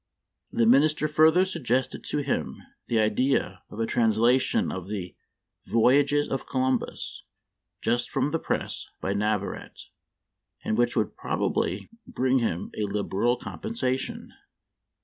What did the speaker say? The Minister further suggested to him the idea of a translation of the " Voyages of Columbus," just from the press by Navarette, and which would probably bring him a liberal compensation.